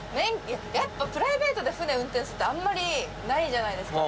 やっぱプライベートで船運転するってあんまりないじゃないですか。